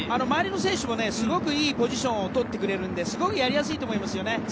周りの選手もすごくいいポジションをとってくれるのですごくやりやすいと思いますね。